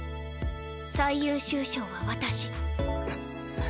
最優秀賞は私。